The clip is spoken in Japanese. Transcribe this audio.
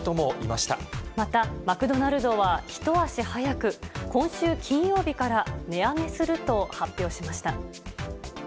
また、マクドナルドは一足早く、今週金曜日から、値上げすると発表しました。